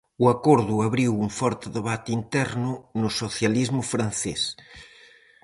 O acordo abriu un forte debate interno no socialismo francés.